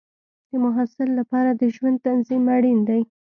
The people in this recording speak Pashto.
د محصل لپاره د ژوند تنظیم اړین دی.